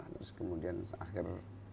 terus kemudian seakhir